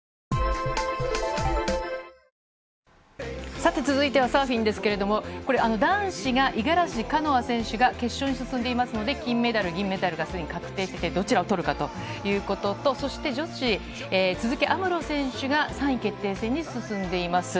さて続いてはサーフィンですけど、これ、男子が五十嵐カノア選手が決勝に進んでいますので、金メダル、銀メダルがすでに確定してて、どちらをとるかということと、そして女子、都筑有夢路選手が３位決定戦に進んでいます。